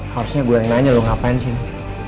harusnya gue yang nanya lo ngapain disini